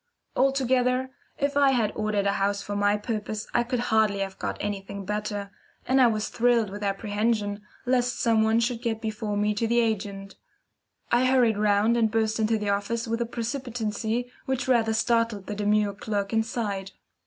Altogether, if I had ordered a house for my purpose I could hardly have got anything better, and I was thrilled with apprehension lest some one should get before me to the agent. I hurried round and burst into the office with a precipitancy which rather startled the demure clerk inside.